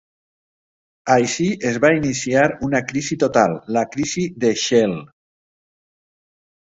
Així es va iniciar una crisi total, la crisi de Shell.